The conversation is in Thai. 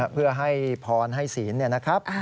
เพื่อให้พรให้ศีลเนี่ยนะครับ